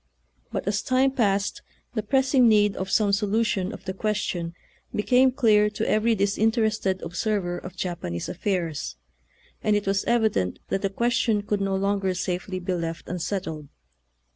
But as time passed the pressing need of some solution of the question became clear to every disinterested observer of Japanese affairs, and it was evident that the ques tion could no longer safely be left un settled.